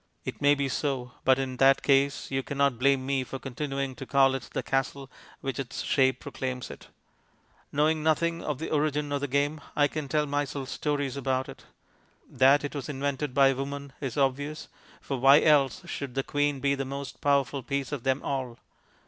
It may be so, but in that case you cannot blame me for continuing to call it the castle which its shape proclaims it. Knowing nothing of the origin of the game, I can tell myself stories about it. That it was invented by a woman is obvious, for why else should the queen be the most powerful piece of them all?